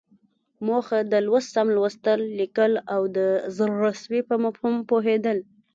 موخه: د لوست سم لوستل، ليکل او د زړه سوي په مفهوم پوهېدل.